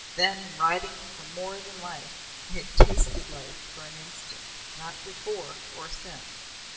Then, riding for more than life, I had tasted life for an instant. Not before or since.